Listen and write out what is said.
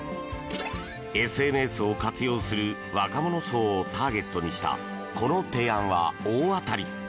ＳＮＳを活用する若者層をターゲットにしたこの提案は大当たり！